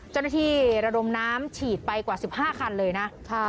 เจ้าหน้าที่ระดมน้ำฉีดไปกว่า๑๕คันเลยนะ